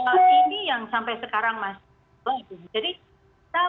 jadi ini yang sampai sekarang kita harus mencari pengetahuan